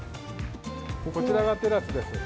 こちらがテラスです。